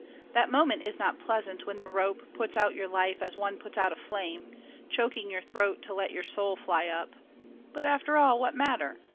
That moment is not pleasant when the rope Puts out your life as one puts out a flame, Choking your throat to let your soul fly up; But, after all, what matter?